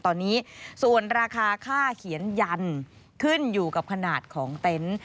ตอนนี้ส่วนราคาค่าเขียนยันขึ้นอยู่กับขนาดของเต็นต์